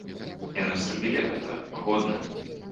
Яны зрабілі гэта годна.